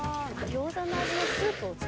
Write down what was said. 餃子の味のスープを作る？